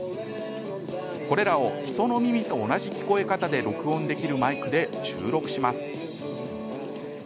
これらを人の耳と同じ聞こえ方で録音できるマイクで収録します。